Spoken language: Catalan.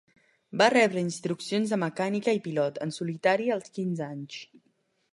Va rebre instruccions de mecànica i pilot, en solitari als quinze anys.